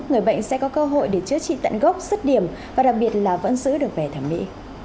người bệnh sẽ có cơ hội để chữa trị tận gốc sức điểm và đặc biệt là vẫn giữ được vẻ thẩm mỹ